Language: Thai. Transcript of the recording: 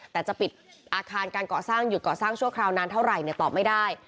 แต่จะปิดอาคารการก่อสร้างหยุดก่อสร้างชั่วคราวนานเท่าไหร่ตอบไม่ได้